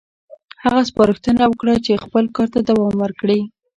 هغه سپارښتنه وکړه چې خپل کار ته دوام ورکړي.